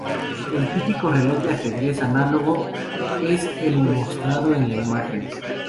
El típico reloj de ajedrez analógico es el mostrado en la imagen.